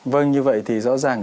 vâng như vậy thì rõ ràng